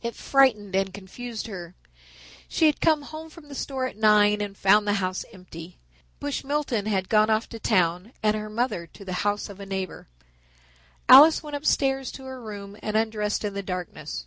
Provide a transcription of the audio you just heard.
It frightened and confused her. She had come home from the store at nine and found the house empty. Bush Milton had gone off to town and her mother to the house of a neighbor. Alice went upstairs to her room and undressed in the darkness.